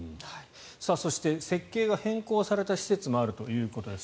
そして、設計が変更された施設もあるということです。